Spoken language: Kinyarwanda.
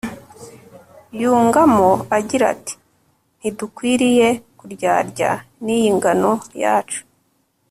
yungamo agira ati ntidukwiriye kuryarya n'iyi ngano yacu